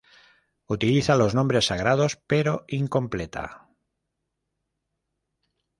Utiliza los nombres sagrados, pero incompleta.